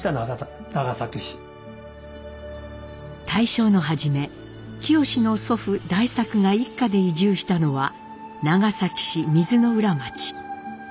大正の初め清の祖父代作が一家で移住したのは長崎市水の浦町。